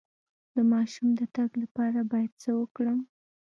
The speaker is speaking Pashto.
د ماشوم د تګ لپاره باید څه وکړم؟